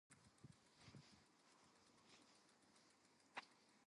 MacArthur explains, It became an administrative echelon.